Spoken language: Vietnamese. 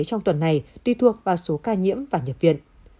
trong tuần này tùy thuộc vào số ca nhiễm và nhập viện